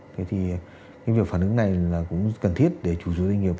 thế thì cái việc phản ứng này là cũng cần thiết để chủ doanh nghiệp